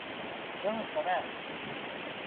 • ترې راوځي به مړونه -